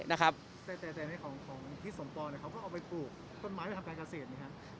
แต่ในของพิษสมปลอเขาก็เอาไปปลูกต้นไม้ไปทำการเกษตรไหมคะ